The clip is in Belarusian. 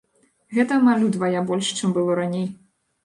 Гэта амаль удвая больш, чым было раней.